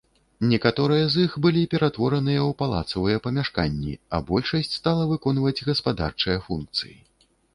Некаторыя з іх былі ператвораныя ў палацавыя памяшканні, а большасць стала выконваць гаспадарчыя функцыі.